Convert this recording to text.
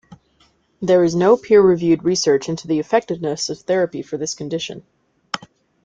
There is no peer reviewed research into the effectiveness of therapy for this condition.